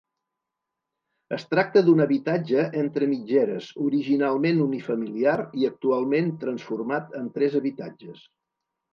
Es tracta d'un habitatge entre mitgeres originalment unifamiliar i actualment transformat en tres habitatges.